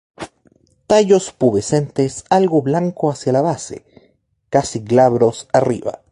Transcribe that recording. Tallos pubescentes algo blanco hacia la base, casi glabros arriba.